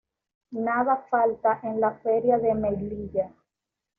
Nada falta en la Feria de Melilla.